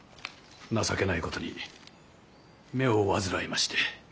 情けないことに目を患いまして。